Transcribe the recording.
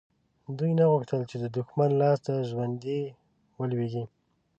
دوی نه غوښتل چې د دښمن لاسته ژوندي ولویږي.